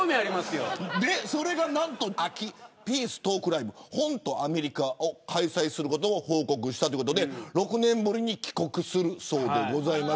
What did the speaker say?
秋にピーストークライブ本とアメリカを開催することを報告したということで６年ぶりに帰国するそうです。